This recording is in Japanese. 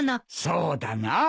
そうだなあ。